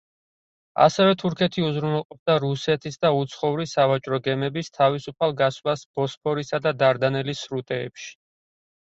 ასევე თურქეთი უზრუნველყოფდა რუსეთისა და უცხოური სავაჭრო გემების თავისუფალ გასვლას ბოსფორისა და დარდანელის სრუტეებში.